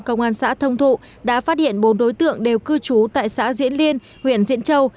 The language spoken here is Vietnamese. công an xã thông thụ đã phát hiện bốn đối tượng đều cư trú tại xã diễn liên huyện diễn châu